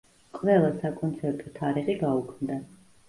ყველა საკონცერტო თარიღი გაუქმდა.